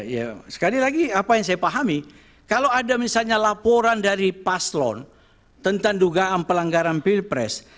ya sekali lagi apa yang saya pahami kalau ada misalnya laporan dari paslon tentang dugaan pelanggaran pilpres